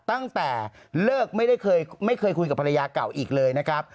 ตั้งแต่เลิกไม่ได้ไม่เคยคุยกับภรรยาเก่าอีกเลยนะครับ